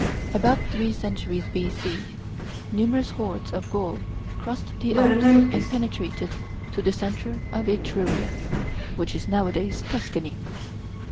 About three centuries B.C. numerous hordes of Gauls crossed the Alps and penetrated to the centre of Etruria, which is nowadays Tuscany.